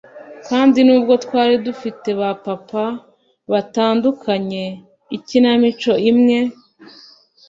kandi nubwo twari dufite ba papa batandukanye, ikinamico imwe